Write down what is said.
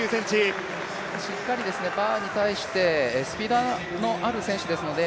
しっかりバーに対してスピードのある選手ですので